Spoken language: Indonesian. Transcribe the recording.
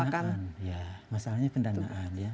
ya masalahnya pendanaan ya